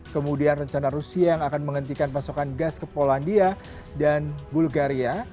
kemudian rencana rusia yang akan menghentikan pasokan gas ke polandia dan bulgaria